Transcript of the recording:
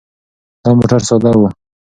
دا موټر ساده و.